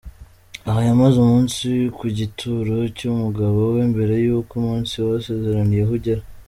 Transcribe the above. Aha yamaze umunsi ku gituro cy'umugabo we mbere yuko umunsi basezeraniyeho ugera.